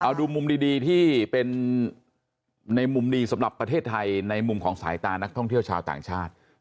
เอาดูมุมดีที่เป็นในมุมดีสำหรับประเทศไทยในมุมของสายตานักท่องเที่ยวชาวต่างชาติ